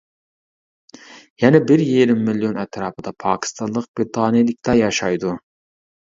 يەنە بىر يېرىم مىليون ئەتراپىدا پاكىستانلىق بىرىتانىيەلىكلەر ياشايدۇ.